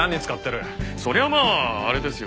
そりゃまああれですよ。